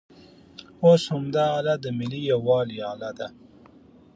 اوس همدا الې د ملي یووالي الې ده.